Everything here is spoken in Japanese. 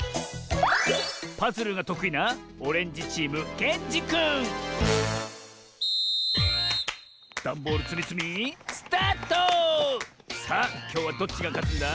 パズルがとくいなダンボールつみつみさあきょうはどっちがかつんだ？